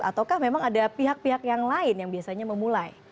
ataukah memang ada pihak pihak yang lain yang biasanya memulai